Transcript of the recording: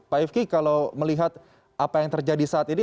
pak ifki kalau melihat apa yang terjadi saat ini